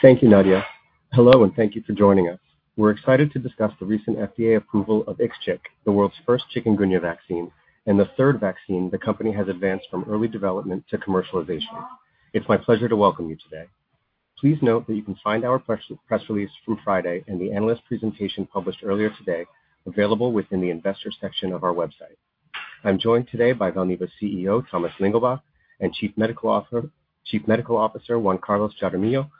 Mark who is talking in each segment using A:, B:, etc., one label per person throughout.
A: Thank you, Nadia. Hello, and thank you for joining us. We're excited to discuss the recent FDA approval of IXCHIQ, the world's first chikungunya vaccine and the third vaccine the company has advanced from early development to commercialization. It's my pleasure to welcome you today. Please note that you can find our press release from Friday and the analyst presentation published earlier today, available within the investor section of our website. I'm joined today by Valneva's CEO, Thomas Lingelbach, and Chief Medical Officer, Juan Carlos Jaramillo,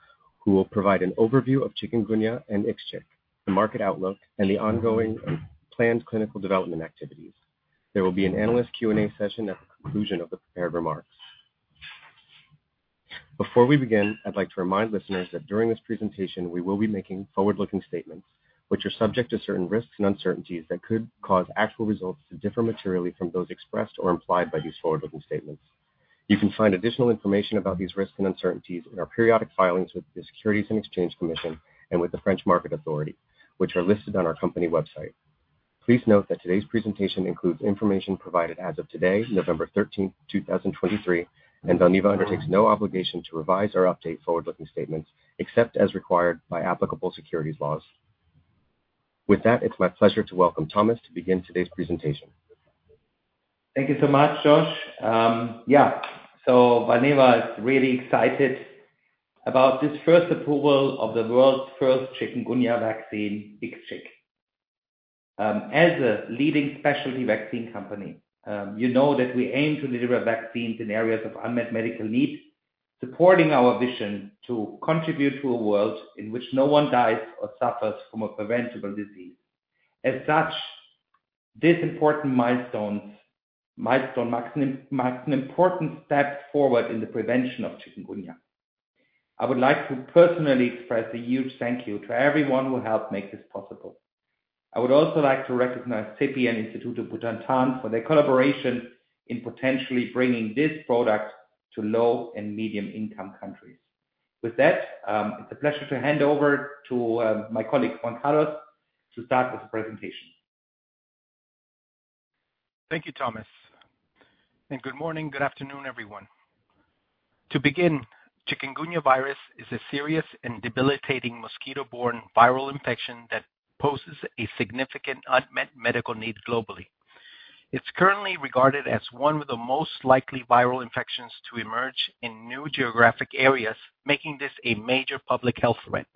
A: who will provide an overview of chikungunya and IXCHIQ, the market outlook, and the ongoing and planned clinical development activities. There will be an analyst Q&A session at the conclusion of the prepared remarks. Before we begin, I'd like to remind listeners that during this presentation, we will be making forward-looking statements, which are subject to certain risks and uncertainties that could cause actual results to differ materially from those expressed or implied by these forward-looking statements. You can find additional information about these risks and uncertainties in our periodic filings with the Securities and Exchange Commission and with the French Market Authority, which are listed on our company website. Please note that today's presentation includes information provided as of today, November 13th, 2023, and Valneva undertakes no obligation to revise or update forward-looking statements except as required by applicable securities laws. With that, it's my pleasure to welcome Thomas to begin today's presentation.
B: Thank you so much, Josh. Yeah, so Valneva is really excited about this first approval of the world's first chikungunya vaccine, IXCHIQ. As a leading specialty vaccine company, you know that we aim to deliver vaccines in areas of unmet medical needs, supporting our vision to contribute to a world in which no one dies or suffers from a preventable disease. As such, this important milestone marks an important step forward in the prevention of chikungunya. I would like to personally express a huge thank you to everyone who helped make this possible. I would also like to recognize CEPI and Instituto Butantan for their collaboration in potentially bringing this product to low- and middle-income countries. With that, it's a pleasure to hand over to my colleague, Juan Carlos, to start with the presentation.
C: Thank you, Thomas, and good morning. Good afternoon, everyone. To begin, chikungunya virus is a serious and debilitating mosquito-borne viral infection that poses a significant unmet medical need globally. It's currently regarded as one of the most likely viral infections to emerge in new geographic areas, making this a major public health threat.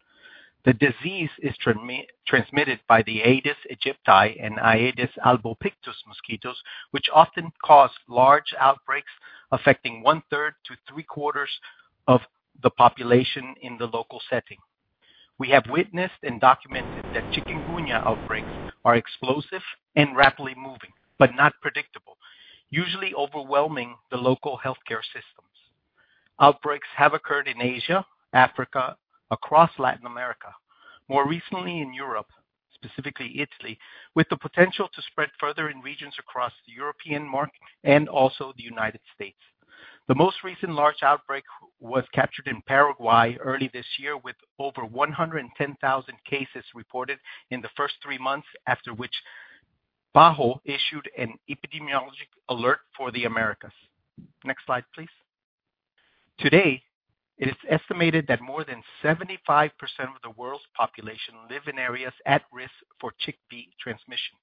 C: The disease is transmitted by the Aedes aegypti and Aedes albopictus mosquitoes, which often cause large outbreaks affecting one third to three-quarters of the population in the local setting. We have witnessed and documented that chikungunya outbreaks are explosive and rapidly moving, but not predictable, usually overwhelming the local healthcare systems. Outbreaks have occurred in Asia, Africa, across Latin America, more recently in Europe, specifically Italy, with the potential to spread further in regions across the European market and also the United States. The most recent large outbreak was captured in Paraguay early this year, with over 110,000 cases reported in the first three months, after which PAHO issued an epidemiologic alert for the Americas. Next slide, please. Today, it is estimated that more than 75% of the world's population live in areas at risk for CHIKV transmission.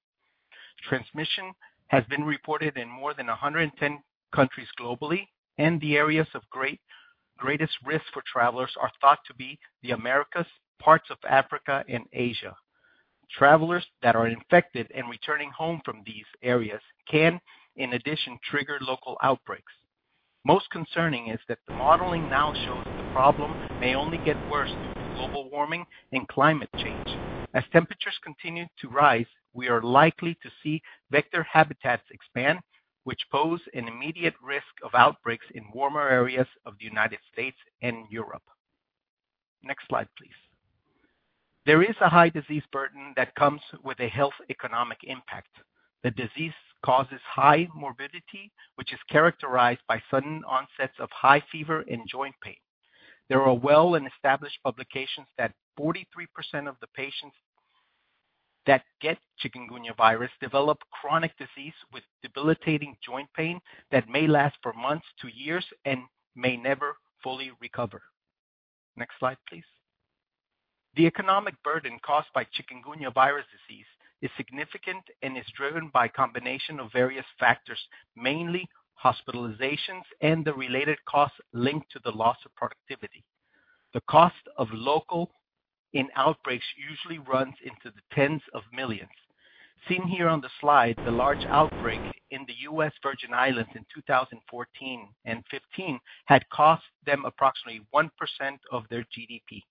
C: Transmission has been reported in more than 110 countries globally, and the areas of greatest risk for travelers are thought to be the Americas, parts of Africa and Asia. Travelers that are infected and returning home from these areas can, in addition, trigger local outbreaks. Most concerning is that the modeling now shows that the problem may only get worse due to global warming and climate change. As temperatures continue to rise, we are likely to see vector habitats expand, which pose an immediate risk of outbreaks in warmer areas of the United States and Europe. Next slide, please. There is a high disease burden that comes with a health economic impact. The disease causes high morbidity, which is characterized by sudden onsets of high fever and joint pain. There are well-established publications that 43% of the patients that get chikungunya virus develop chronic disease with debilitating joint pain that may last for months to years and may never fully recover. Next slide, please. The economic burden caused by chikungunya virus disease is significant and is driven by a combination of various factors, mainly hospitalizations and the related costs linked to the loss of productivity. The cost of local outbreaks usually runs into $10s of millions. Seen here on the slide, the large outbreak in the U.S. Virgin Islands in 2014 and 2015 had cost them approximately 1% of their GDP.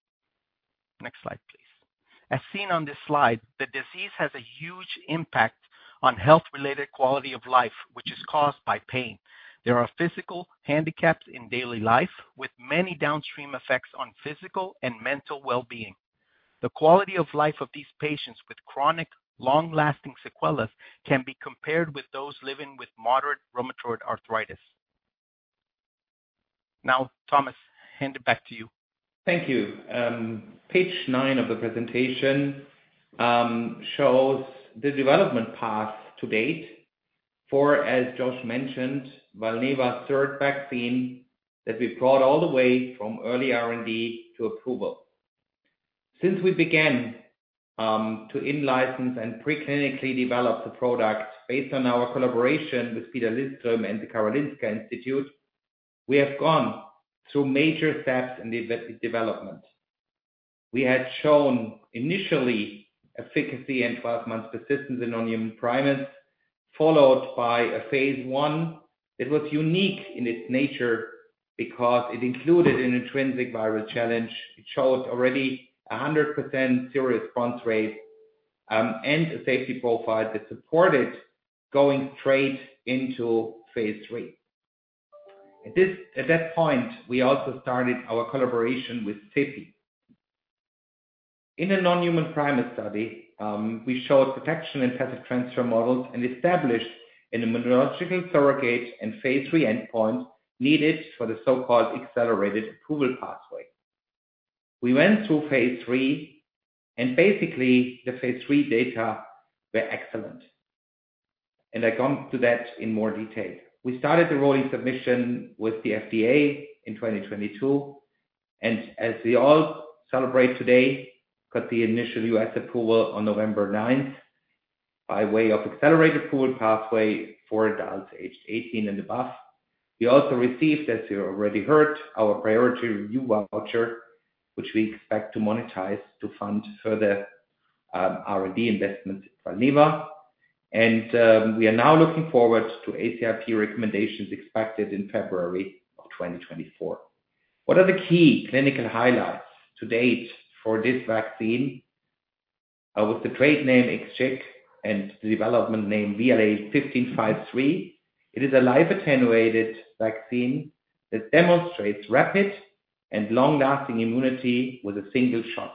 C: Next slide, please. As seen on this slide, the disease has a huge impact on health-related quality of life, which is caused by pain. There are physical handicaps in daily life, with many downstream effects on physical and mental well-being. The quality of life of these patients with chronic, long-lasting sequelae can be compared with those living with moderate rheumatoid arthritis. Now, Thomas, I hand it back to you.
B: Thank you. Page nine of the presentation shows the development path to date for, as Josh mentioned, Valneva's third vaccine that we've brought all the way from early R&D to approval. Since we began to in-license and pre-clinically develop the product based on our collaboration with Peter Liljeström and the Karolinska Institute, we have gone through major steps in the development. We had shown initially efficacy and 12-month persistence in non-human primates, followed by a phase I that was unique in its nature because it included an intrinsic virus challenge. It showed already a 100% seroresponse rate, and a safety profile that supported going straight into phase III. At that point, we also started our collaboration with CEPI. In a non-human primate study, we showed protection and passive transfer models and established an immunological surrogate and phase III endpoint needed for the so-called accelerated approval pathway. We went through phase III, and basically, the phase III data were excellent, and I come to that in more detail. We started the rolling submission with the FDA in 2022, and as we all celebrate today, got the initial U.S. approval on November 9th, by way of accelerated approval pathway for adults aged 18 and above. We also received, as you already heard, our priority review voucher, which we expect to monetize to fund further, R&D investment for Valneva. We are now looking forward to ACIP recommendations expected in February 2024. What are the key clinical highlights to date for this vaccine? With the trade name IXCHIQ and the development name VLA1553, it is a live attenuated vaccine that demonstrates rapid and long-lasting immunity with a single shot.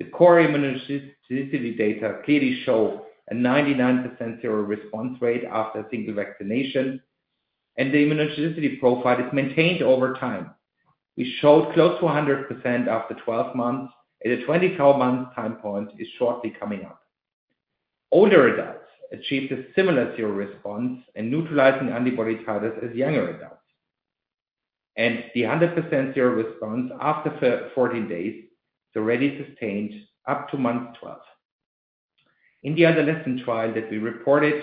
B: The core immunogenicity data clearly show a 99% seroresponse rate after a single vaccination, and the immunogenicity profile is maintained over time. We showed close to a 100% after 12 months, and a 24-month time point is shortly coming up. Older adults achieved a similar seroresponse in neutralizing antibody titers as younger adults, and the 100% seroresponse after 14 days is already sustained up to month 12. In the adolescent trial that we reported,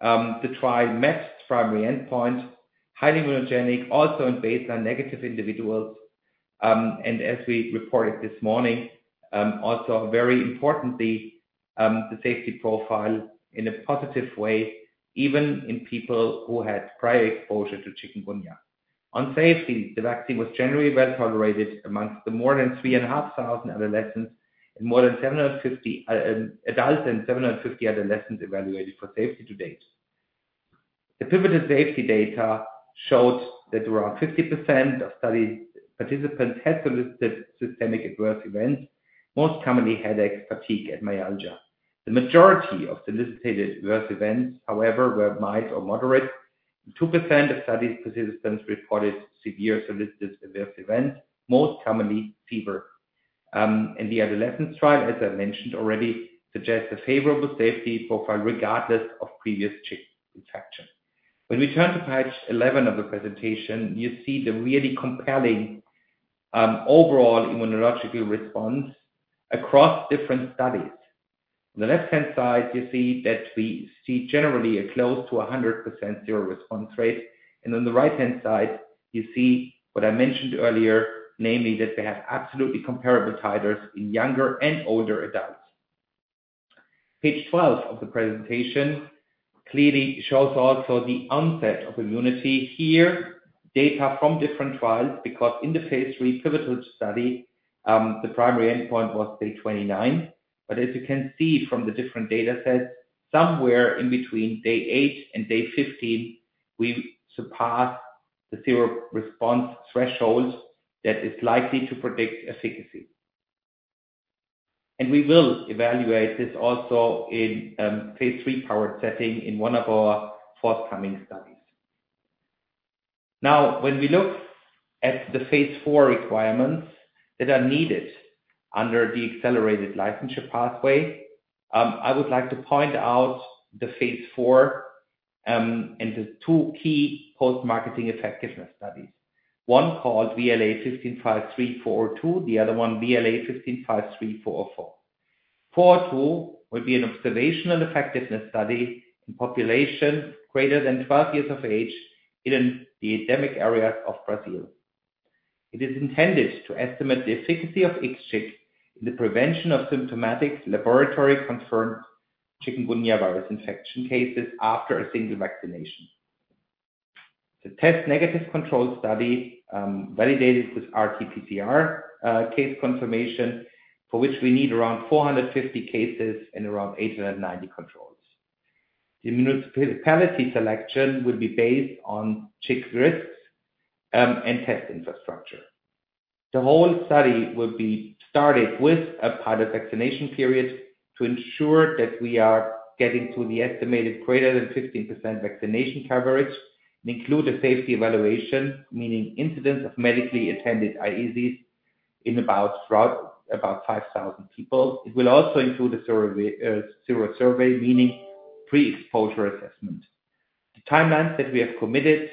B: the trial met primary endpoint, highly immunogenic, also in baseline negative individuals, and as we reported this morning, also very importantly, the safety profile in a positive way, even in people who had prior exposure to chikungunya. On safety, the vaccine was generally well tolerated amongst the more than 3,500 adolescents and more than 750 adults and 750 adolescents evaluated for safety to date. The pooled safety data showed that around 50% of study participants had solicited systemic adverse events, most commonly headache, fatigue, and myalgia. The majority of solicited adverse events, however, were mild or moderate, and 2% of study participants reported severe solicited adverse events, most commonly fever. And the adolescent trial, as I mentioned already, suggests a favorable safety profile regardless of previous chik infection. When we turn to page 11 of the presentation, you see the really compelling, overall immunological response across different studies. On the left-hand side, you see that we see generally a close to 100% seroresponse rate, and on the right-hand side, you see what I mentioned earlier, namely, that they have absolutely comparable titers in younger and older adults. Page 12 of the presentation clearly shows also the onset of immunity. Here, data from different trials, because in the phase III pivotal study, the primary endpoint was day 29. But as you can see from the different datasets, somewhere in between day eight and day 15, we surpassed the seroresponse threshold that is likely to predict efficacy. We will evaluate this also in phase III powered setting in one of our forthcoming studies. Now, when we look at the phase IV requirements that are needed under the accelerated licensure pathway, I would like to point out the phase IV into two key post-marketing effectiveness studies. One called VLA1553-402, the other one, VLA1553-404. 402 will be an observational effectiveness study in population greater than 12 years of age in the endemic areas of Brazil. It is intended to estimate the efficacy of IXCHIQ in the prevention of symptomatic laboratory-confirmed chikungunya virus infection cases after a single vaccination. The test-negative control study, validated with RT-PCR case confirmation, for which we need around 450 cases and around 890 controls. The municipality selection will be based on CHIKV risks and test infrastructure. The whole study will be started with a pilot vaccination period to ensure that we are getting to the estimated greater than 15% vaccination coverage, and include a safety evaluation, meaning incidence of medically attended AEs in about 5,000 people. It will also include a survey, serosurvey, meaning pre-exposure assessment. The timelines that we have committed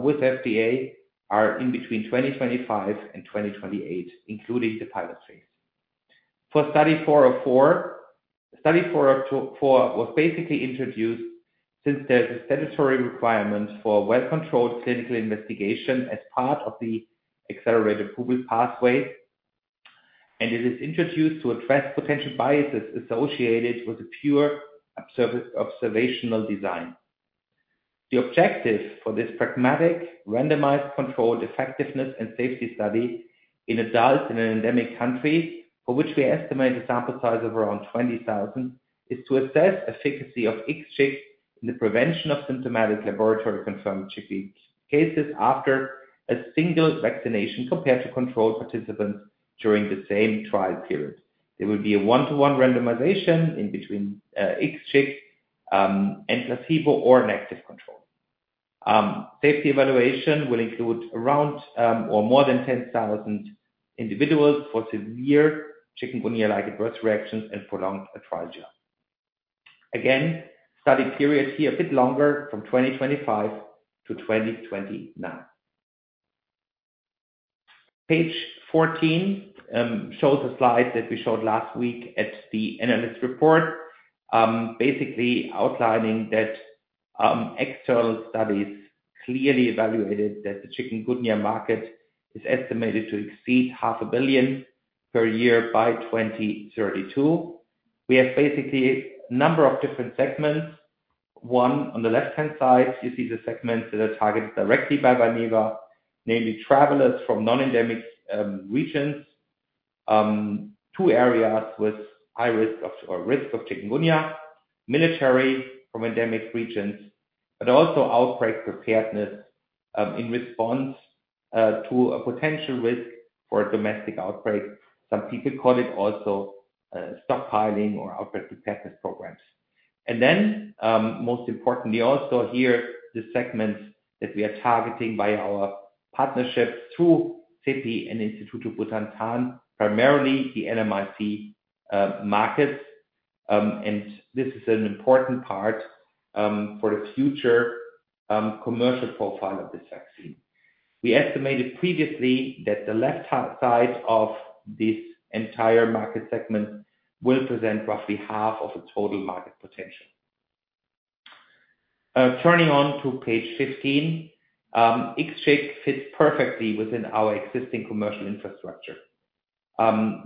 B: with FDA are in between 2025 and 2028, including the pilot phase. For study 404, study 404 was basically introduced since there's a statutory requirement for well-controlled clinical investigation as part of the accelerated approval pathway, and it is introduced to address potential biases associated with the pure observational design. The objective for this pragmatic, randomized, controlled effectiveness and safety study in adults in an endemic country, for which we estimate a sample size of around 20,000, is to assess efficacy of IXCHIQ in the prevention of symptomatic laboratory-confirmed chikungunya cases after a single vaccination compared to control participants during the same trial period. There will be a one-to-one randomization in between IXCHIQ and placebo or an active control. Safety evaluation will include around or more than 10,000 individuals for severe chikungunya-like adverse reactions and prolonged arthralgia. Again, study period here a bit longer, from 2025 to 2029. Page 14 shows a slide that we showed last week at the analyst report, basically outlining that external studies clearly evaluated that the chikungunya market is estimated to exceed $500 million per year by 2032. We have basically a number of different segments. One, on the left-hand side, you see the segments that are targeted directly by Valneva, namely travelers from non-endemic regions to areas with high risk of or risk of chikungunya, military from endemic regions, but also outbreak preparedness in response to a potential risk for a domestic outbreak. Some people call it also stockpiling or outbreak preparedness programs. And then, most importantly, also here, the segments that we are targeting by our partnerships through CEPI and Instituto Butantan, primarily the LMIC markets. And this is an important part for the future commercial profile of this vaccine. We estimated previously that the left-hand side of this entire market segment will present roughly half of the total market potential. Turning to page 15, IXCHIQ fits perfectly within our existing commercial infrastructure.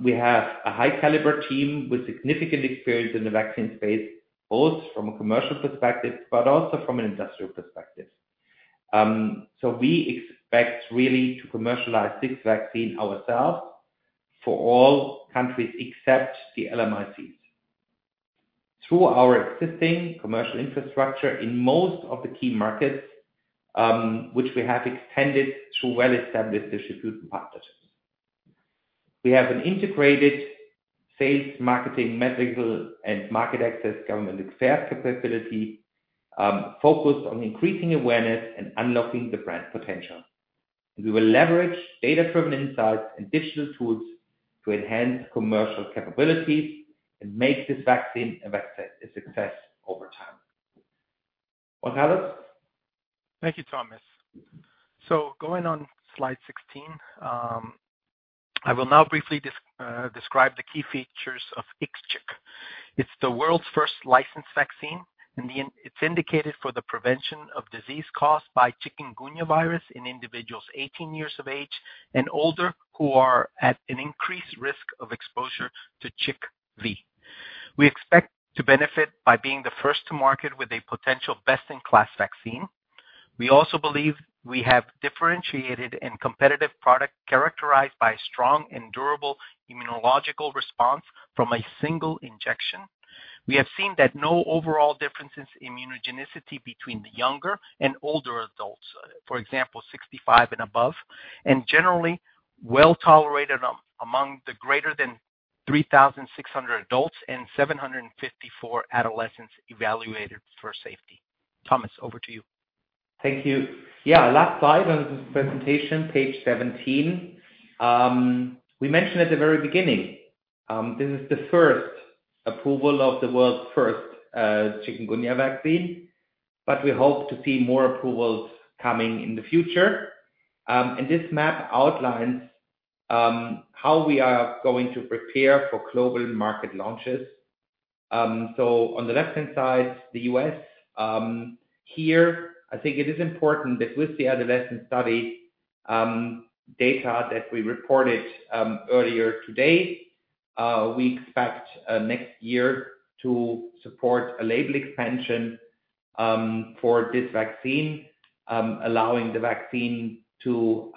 B: We have a high caliber team with significant experience in the vaccine space, both from a commercial perspective, but also from an industrial perspective. So we expect really to commercialize this vaccine ourselves for all countries except the LMICs. Through our existing commercial infrastructure in most of the key markets, which we have extended through well-established distribution partners. We have an integrated sales, marketing, medical, and market access, government affairs capability, focused on increasing awareness and unlocking the brand's potential. We will leverage data-driven insights and digital tools to enhance commercial capabilities and make this vaccine a success over time. Juan Carlos?
C: Thank you, Thomas. So going on slide 16, I will now briefly describe the key features of IXCHIQ. It's the world's first licensed vaccine, and it's indicated for the prevention of disease caused by chikungunya virus in individuals 18 years of age and older who are at an increased risk of exposure to CHIKV. We expect to benefit by being the first to market with a potential best-in-class vaccine. We also believe we have differentiated and competitive product, characterized by strong and durable immunological response from a single injection. We have seen that no overall differences in immunogenicity between the younger and older adults, for example, 65 and above, and generally well tolerated among the greater than 3,600 adults and 754 adolescents evaluated for safety. Thomas, over to you.
B: Thank you. Yeah, last slide on this presentation, page 17. We mentioned at the very beginning, this is the first approval of the world's first chikungunya vaccine, but we hope to see more approvals coming in the future. This map outlines how we are going to prepare for global market launches. On the left-hand side, the U.S. Here, I think it is important that with the adolescent study data that we reported earlier today, we expect next year to support a label expansion for this vaccine, allowing the vaccine to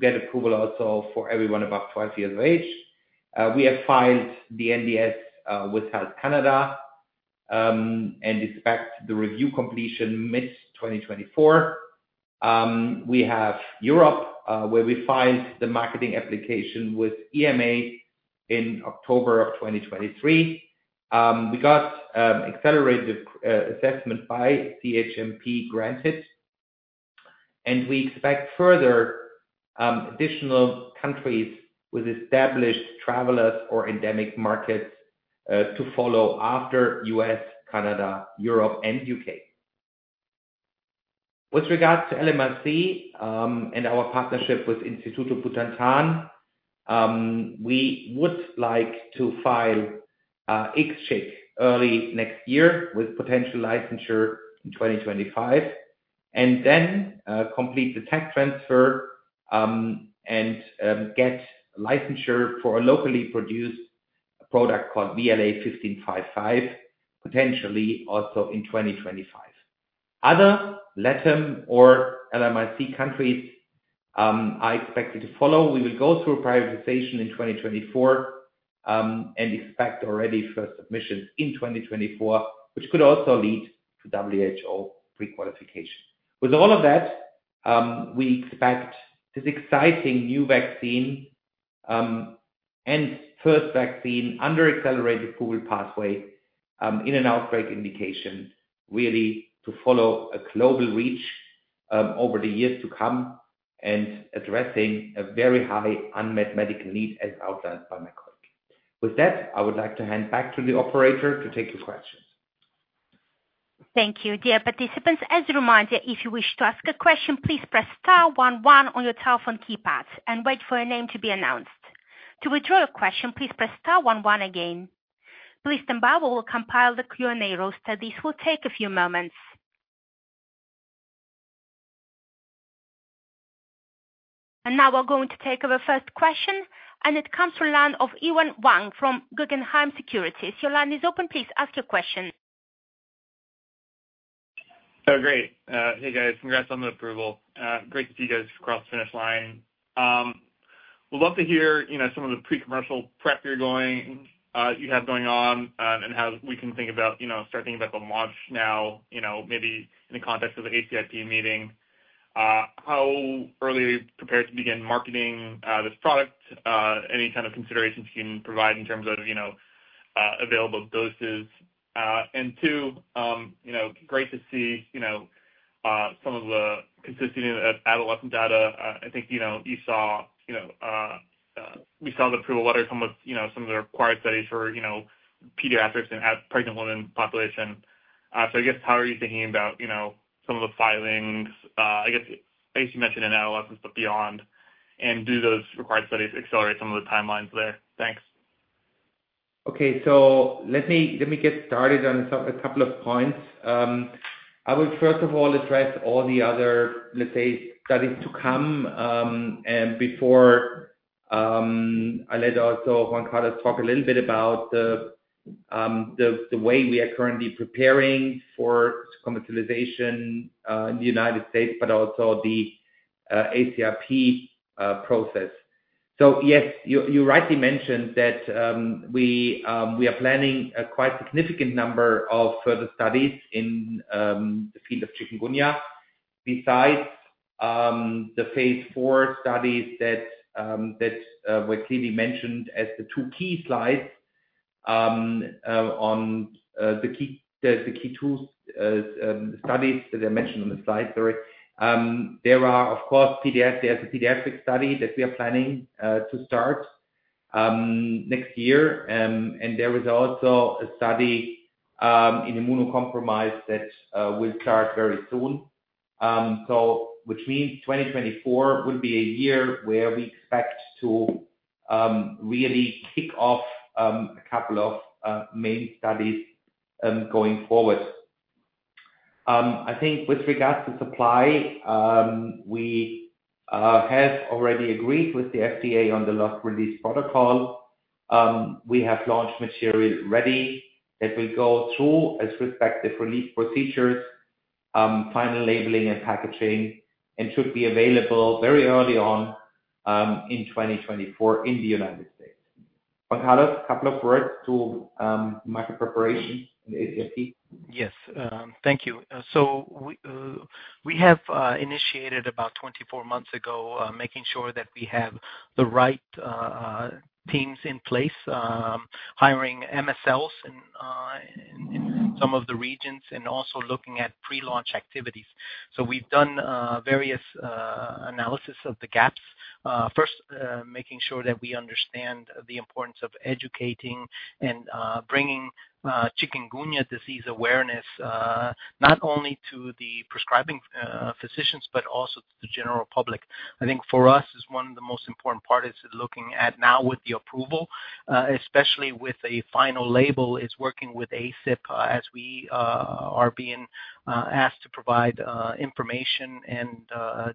B: get approval also for everyone above 12 years of age. We have filed the NDS with Health Canada and expect the review completion mid-2024. We have Europe, where we filed the marketing application with EMA in October of 2023. We got accelerated assessment by CHMP granted. We expect further additional countries with established travelers or endemic markets to follow after U.S., Canada, Europe and U.K. With regards to LMIC, and our partnership with Instituto Butantan, we would like to file IXCHIQ early next year with potential licensure in 2025, and then complete the tech transfer, and get licensure for a locally produced product called VLA1555, potentially also in 2025. Other LATAM or LMIC countries are expected to follow. We will go through a prioritization in 2024, and expect already first submissions in 2024, which could also lead to WHO prequalification. With all of that, we expect this exciting new vaccine, and first vaccine under Accelerated Approval Pathway, in an outbreak indication, really to follow a global reach, over the years to come and addressing a very high unmet medical need as outlined by my colleague. With that, I would like to hand back to the operator to take your questions.
D: Thank you. Dear participants, as a reminder, if you wish to ask a question, please press star one one on your telephone keypad and wait for your name to be announced. To withdraw your question, please press star one one again. Please stand by. We will compile the Q&A roster. This will take a few moments. Now we're going to take our first question, and it comes from the line of Evan Wang from Guggenheim Securities. Your line is open. Please ask your question.
E: Oh, great. Hey, guys. Congrats on the approval. Great to see you guys cross the finish line. Would love to hear, you know, some of the pre-commercial prep you're going, you have going on, and how we can think about, you know, start thinking about the launch now, you know, maybe in the context of the ACIP meeting, how early are you prepared to begin marketing, this product? Any kind of considerations you can provide in terms of, you know, available doses? And two, you know, great to see, you know, some of the consistency of adolescent data. I think, you know, you saw, you know, we saw the approval letter, some of, you know, some of the required studies for, you know, pediatrics and at pregnant women population. So, I guess, how are you thinking about, you know, some of the filings? I guess you mentioned in adolescents, but beyond, and do those required studies accelerate some of the timelines there? Thanks.
B: Okay. So let me get started on some a couple of points. I will, first of all, address all the other, let's say, studies to come, and before I let also Juan Carlos talk a little bit about the way we are currently preparing for commercialization in the United States, but also the ACIP process. So yes, you rightly mentioned that, we are planning a quite significant number of further studies in the field of chikungunya. Besides, the phase IV studies that were clearly mentioned as the two key slides on the key two studies that I mentioned on the slide. Sorry. There are, of course, pediatric. There's a pediatric study that we are planning to start next year. And there is also a study in immunocompromised that will start very soon. So which means 2024 would be a year where we expect to really kick off a couple of main studies going forward. I think with regards to supply, we have already agreed with the FDA on the last release protocol. We have launched material ready that will go through as respective release procedures, final labeling and packaging, and should be available very early on in 2024 in the United States. Juan Carlos, a couple of words to market preparation in the ACIP.
C: Yes. Thank you. So we, we have initiated about 24 months ago, making sure that we have the right, teams in place, hiring MSLs in, in some of the regions, and also looking at pre-launch activities. So we've done various analysis of the gaps. First, making sure that we understand the importance of educating and bringing chikungunya disease awareness, not only to the prescribing physicians, but also to the general public. I think for us, is one of the most important parts is looking at now with the approval, especially with a final label, is working with ACIP, as we are being asked to provide information and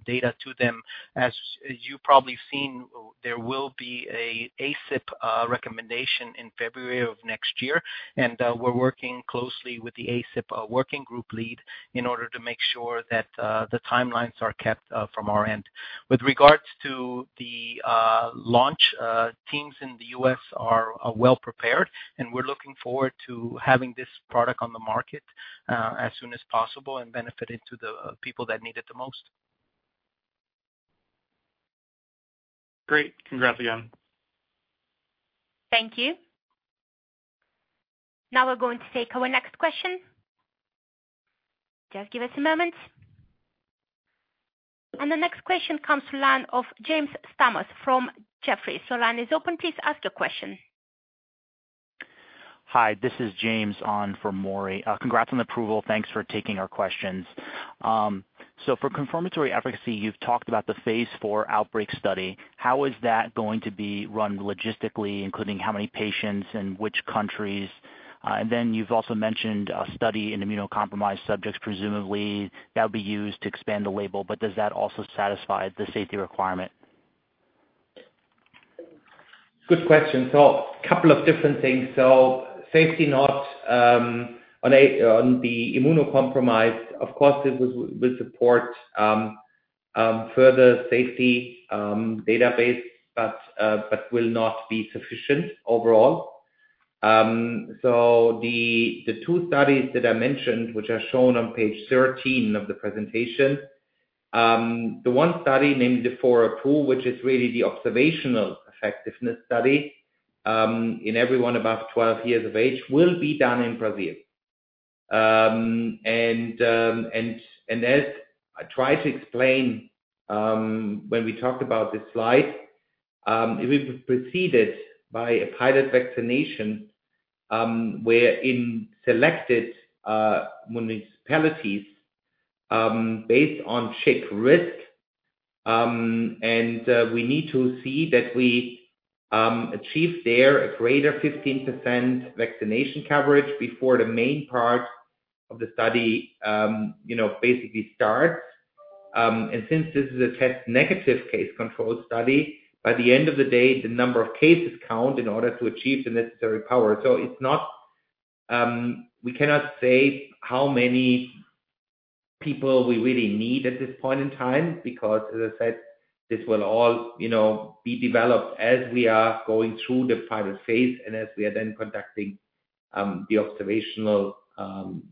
C: data to them. As you've probably seen, there will be an ACIP recommendation in February of next year, and we're working closely with the ACIP working group lead in order to make sure that the timelines are kept from our end. With regards to the launch, teams in the U.S. are well prepared, and we're looking forward to having this product on the market as soon as possible and benefit it to the people that need it the most.
E: Great! Congrats again.
D: Thank you. Now we're going to take our next question. Just give us a moment. And the next question comes to line of James Stamos from Jefferies. So line is open, please ask your question.
F: Hi, this is James on for Maury. Congrats on the approval. Thanks for taking our questions. So for confirmatory efficacy, you've talked about the phase IV outbreak study. How is that going to be run logistically, including how many patients and which countries? And then you've also mentioned a study in immunocompromised subjects, presumably that will be used to expand the label, but does that also satisfy the safety requirement?
B: Good question. So couple of different things. So safety not on the immunocompromised, of course, this will support further safety database, but will not be sufficient overall. So the two studies that I mentioned, which are shown on page 13 of the presentation, the one study, named 402, which is really the observational effectiveness study, in everyone above 12 years of age, will be done in Brazil. And as I tried to explain, when we talked about this slide, it will be preceded by a pilot vaccination, where in selected municipalities, based on CHIKV risk, and we need to see that we achieve there a greater 15% vaccination coverage before the main part of the study, you know, basically starts. Since this is a test-negative case control study, by the end of the day, the number of cases count in order to achieve the necessary power. So it's not, we cannot say how many people we really need at this point in time, because as I said, this will all, you know, be developed as we are going through the pilot phase and as we are then conducting, the observational,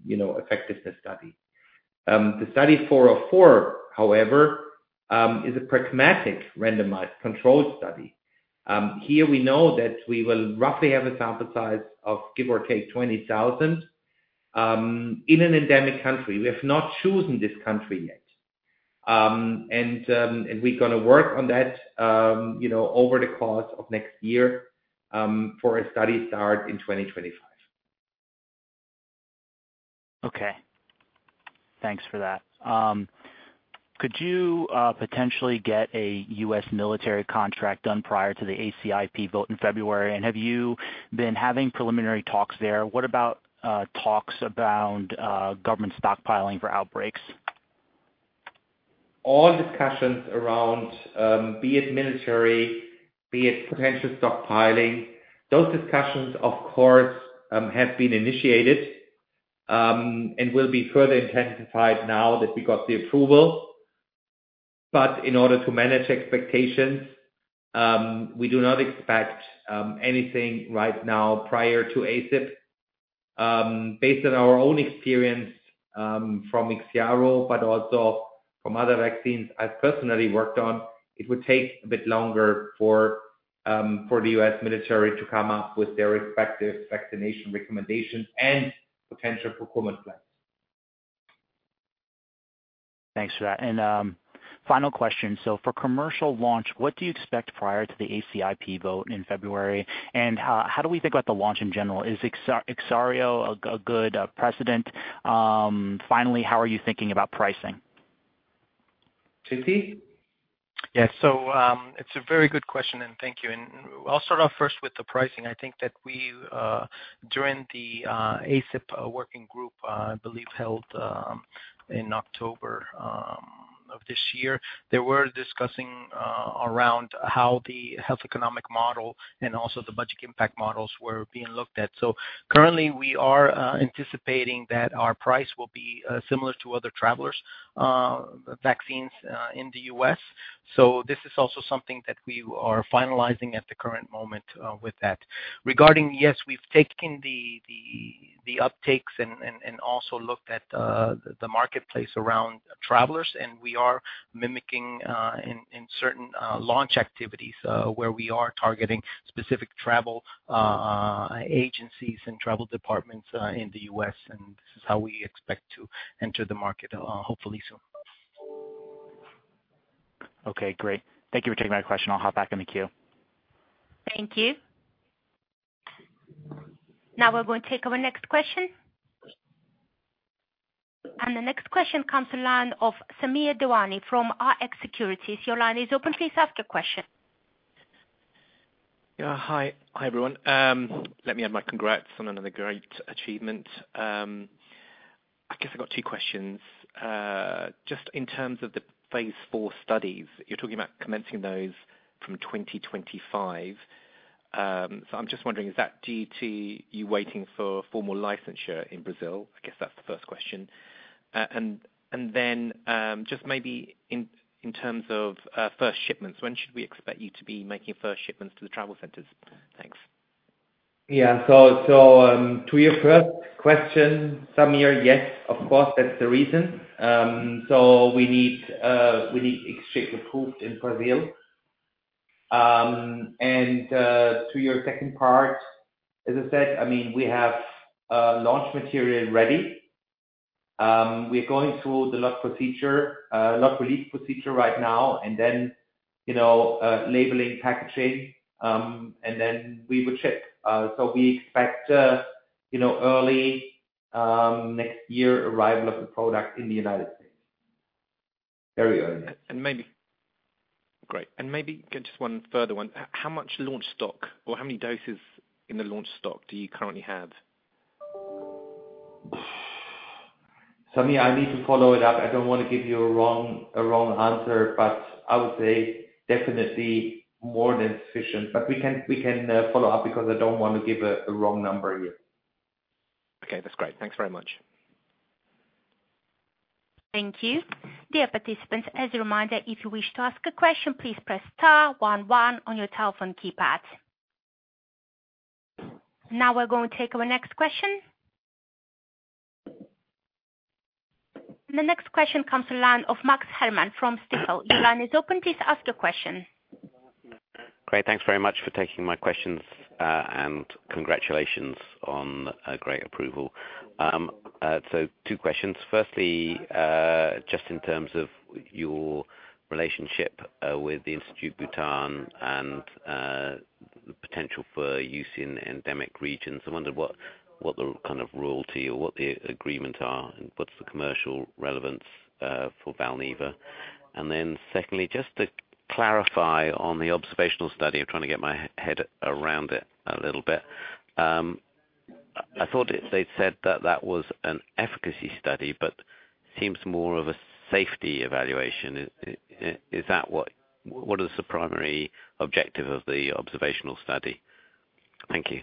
B: you know, effectiveness study. The study 404, however, is a pragmatic randomized controlled study. Here we know that we will roughly have a sample size of give or take 20,000, in an endemic country. We have not chosen this country yet. We're gonna work on that, you know, over the course of next year, for a study start in 2025.
F: Okay. Thanks for that. Could you potentially get a U.S. military contract done prior to the ACIP vote in February? And have you been having preliminary talks there? What about talks around government stockpiling for outbreaks?
B: All discussions around, be it military, be it potential stockpiling, those discussions, of course, have been initiated, and will be further intensified now that we got the approval. But in order to manage expectations, we do not expect anything right now prior to ACIP. Based on our own experience, from IXIARO, but also from other vaccines I've personally worked on, it would take a bit longer for the U.S. military to come up with their respective vaccination recommendations and potential procurement plans.
F: Thanks for that. And final question. So for commercial launch, what do you expect prior to the ACIP vote in February? And how do we think about the launch in general? Is IXIARO a good precedent? Finally, how are you thinking about pricing?
B: JC?
C: Yes. It's a very good question, and thank you. I'll start off first with the pricing. I think that we, during the ACIP working group, I believe held in October of this year, they were discussing around how the health economic model and also the budget impact models were being looked at. Currently, we are anticipating that our price will be similar to other travelers vaccines in the U.S. This is also something that we are finalizing at the current moment with that. Regarding, yes, we've taken the uptakes and also looked at the marketplace around travelers, and we are mimicking in certain launch activities where we are targeting specific travel agencies and travel departments in the U.S., and this is how we expect to enter the market, hopefully soon.
F: Okay, great. Thank you for taking my question. I'll hop back in the queue.
D: Thank you. Now we're going to take our next question. The next question comes to line of Samir Devani from Rx Securities. Your line is open. Please ask your question.
G: Yeah. Hi. Hi, everyone. Let me add my congrats on another great achievement. I guess I got two questions. Just in terms of the phase IV studies, you're talking about commencing those from 2025. So I'm just wondering, is that due to you waiting for formal licensure in Brazil? I guess that's the first question. And then, just maybe in terms of first shipments, when should we expect you to be making first shipments to the travel centers? Thanks.
B: Yeah, so to your first question, Samir, yes, of course, that's the reason. So we need IXCHIQ approved in Brazil. And to your second part, as I said, I mean, we have launch material ready. We're going through the launch procedure, launch release procedure right now, and then, you know, labeling, packaging, and then we will check. So we expect, you know, early next year, arrival of the product in the United States. Very early.
G: Great. And maybe just one further one. How much launch stock or how many doses in the launch stock do you currently have?
B: Samir, I need to follow it up. I don't want to give you a wrong answer, but I would say definitely more than sufficient. We can follow up, because I don't want to give a wrong number here.
G: Okay, that's great. Thanks very much.
D: Thank you. Dear participants, as a reminder, if you wish to ask a question, please press star one one on your telephone keypad. Now we're going to take our next question. The next question comes to the line of Max Herrmann from Stifel. Your line is open. Please ask your question.
H: Great. Thanks very much for taking my questions, and congratulations on a great approval. So two questions. Firstly, just in terms of your relationship with the Instituto Butantan and the potential for use in endemic regions, I wondered what the kind of royalty or what the agreement are, and what's the commercial relevance for Valneva? Then secondly, just to clarify on the observational study, I'm trying to get my head around it a little bit. I thought they said that that was an efficacy study, but seems more of a safety evaluation. Is that what—What is the primary objective of the observational study? Thank you.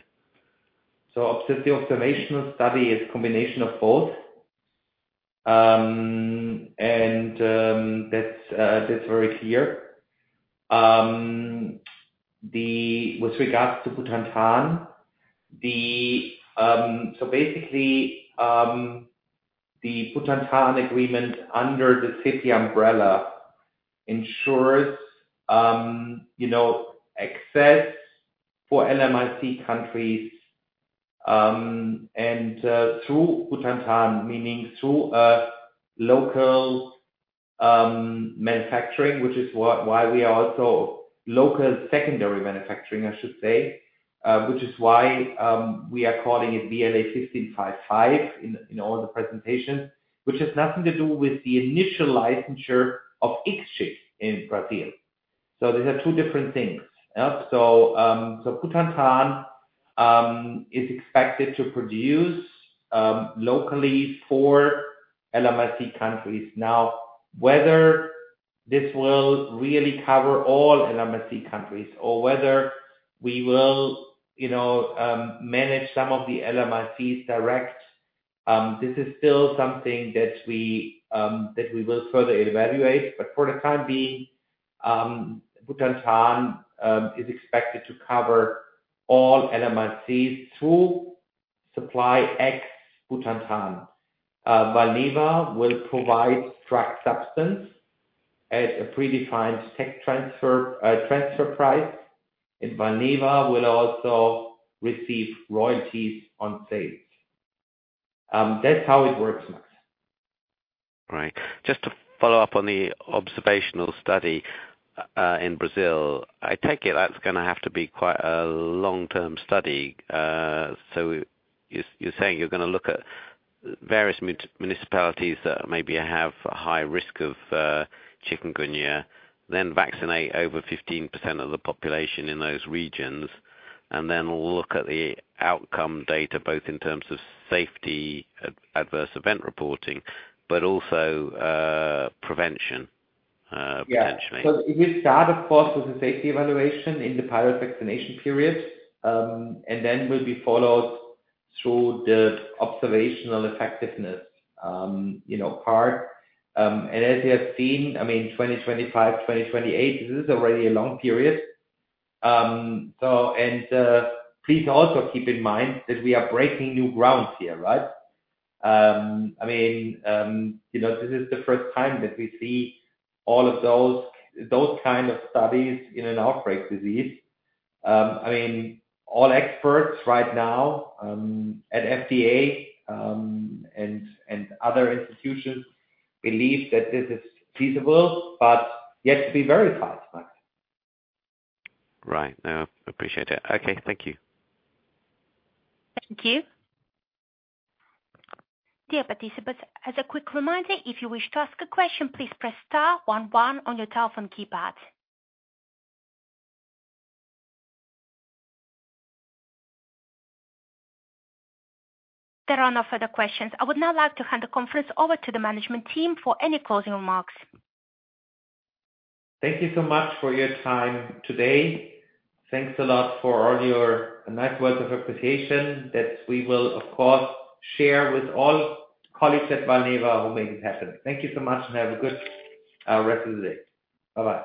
B: So the observational study is a combination of both. That's very clear. With regards to Butantan, so basically, the Butantan agreement under the CEPI umbrella ensures, you know, access for LMIC countries, and through Butantan, meaning through local manufacturing, which is what, why we are also local secondary manufacturing, I should say. Which is why we are calling it VLA1555 in all the presentations, which has nothing to do with the initial licensure of IXCHIQ in Brazil. So these are two different things. Yeah, so Butantan is expected to produce locally for LMIC countries. Now, whether this will really cover all LMIC countries or whether we will, you know, manage some of the LMICs direct, this is still something that we will further evaluate, but for the time being, Butantan is expected to cover all LMICs through supply at Butantan. Valneva will provide drug substance at a predefined tech transfer price, and Valneva will also receive royalties on sales. That's how it works, Max.
H: Right. Just to follow up on the observational study in Brazil, I take it that's gonna have to be quite a long-term study. So you, you're saying you're gonna look at various municipalities that maybe have a high risk of chikungunya, then vaccinate over 15% of the population in those regions, and then look at the outcome data, both in terms of safety, adverse event reporting, but also prevention, potentially.
B: Yeah. So we start, of course, with the safety evaluation in the pilot vaccination period, and then will be followed through the observational effectiveness, you know, part. And as you have seen, I mean, 2025, 2028, this is already a long period. So, and, please also keep in mind that we are breaking new grounds here, right? I mean, you know, this is the first time that we see all of those, those kind of studies in an outbreak disease. I mean, all experts right now, at FDA, and other institutions believe that this is feasible, but yet to be verified, Max.
H: Right. No, appreciate it. Okay, thank you.
D: Thank you. Dear participants, as a quick reminder, if you wish to ask a question, please press star one one on your telephone keypad. There are no further questions. I would now like to hand the conference over to the management team for any closing remarks.
B: Thank you so much for your time today. Thanks a lot for all your nice words of appreciation that we will, of course, share with all colleagues at Valneva who make it happen. Thank you so much, and have a good rest of the day. Bye-bye.